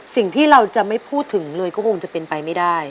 สิ่งที่เราจะไม่พูดถึงเลยก็คงจะเป็นไปไม่ได้